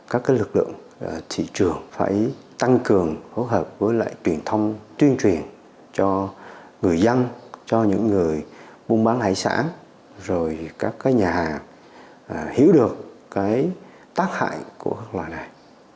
các lực lượng thị trường phải tăng cường hỗ hợp với lại truyền thông tuyên truyền cho người dân cho những người buôn bán hải sản rồi các nhà hàng hiểu được tác hại của các loài này